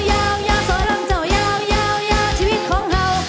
ยาวยาวสรรลำเจ้ายาวยาวชีวิตของเฮา